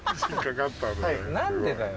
何でだよ